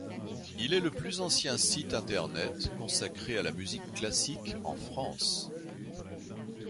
Il est le plus ancien site internet consacré à la musique classique en France.